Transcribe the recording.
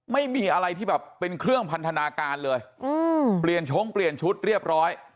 ไม่มีอะไรที่แบบเป็นเครื่องพันธนาการเลยเปลี่ยนชงเปลี่ยนชุดเรียบร้อย